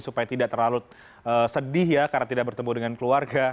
supaya tidak terlalu sedih ya karena tidak bertemu dengan keluarga